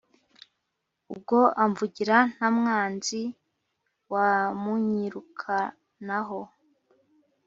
Ubwo amvugira ntamwanzi wamunyirukanaho